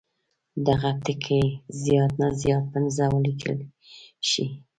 دغه ټکي زیات نه زیات پنځه ولیکل شي.